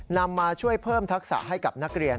นำมาช่วยเพิ่มทักษะให้กับนักเรียน